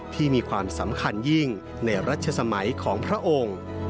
มีความสำคัญยิ่งในรัชสมัยของพระองค์